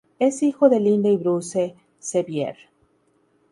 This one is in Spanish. Es hijo de Lynda y Bruce Sevier.